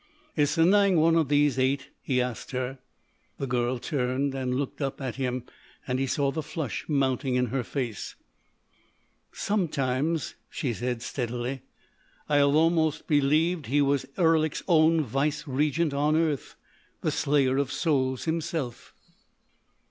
"Is Sanang one of these eight?" he asked her. The girl turned and looked up at him, and he saw the flush mounting in her face. "Sometimes," she said steadily, "I have almost believed he was Erlik's own vice regent on earth—the Slayer of Souls himself."